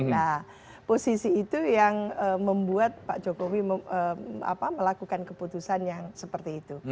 nah posisi itu yang membuat pak jokowi melakukan keputusan yang seperti itu